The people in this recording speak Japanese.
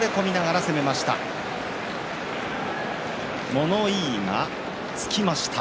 物言いがつきました。